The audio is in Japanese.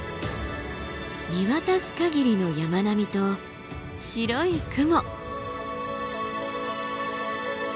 見渡す限りの山並みと白い雲。